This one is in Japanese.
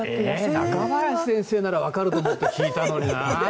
中林先生だから分かると思って聞いたのに。